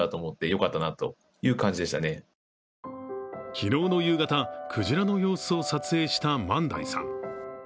昨日の夕方、クジラの様子を撮影した萬代さん。